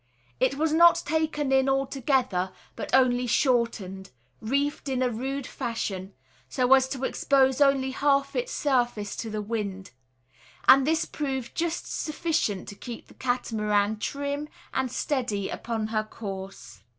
It was not taken in altogether, but only "shortened," reefed in a rude fashion, so as to expose only half its surface to the wind; and this proved just sufficient to keep the Catamaran "trim" and steady upon her course.